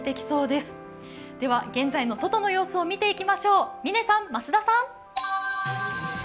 では現在の外の様子を見ていきましょう、嶺さん、増田さん。